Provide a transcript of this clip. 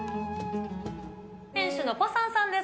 店主のパサンさんです。